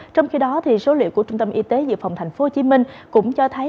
trong khi đó số liệu của trung tâm y tế dự phòng tp hcm cũng cho thấy